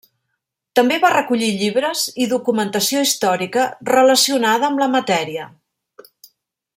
També va recollir llibres i documentació històrica relacionada amb la matèria.